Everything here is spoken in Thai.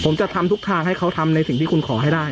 ผมจะทำทุกทางให้เขาทำในสิ่งที่คุณขอให้ได้